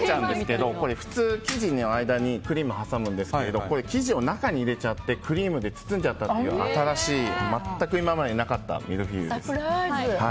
普通生地の間にクリームを挟むんですが生地を中に入れちゃってクリームで包んだ新しい全く今までなかったミルフィーユです。